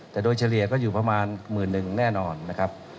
แต่โดยเฉลี่ยก็อยู่ประมาณหมื่นหนึ่งแน่นอนนะครับ